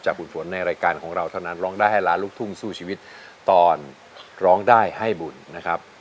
คุณฝนในรายการของเราเท่านั้นร้องได้ให้ล้านลูกทุ่งสู้ชีวิตตอนร้องได้ให้บุญนะครับ